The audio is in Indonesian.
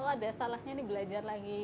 oh ada salahnya nih belajar lagi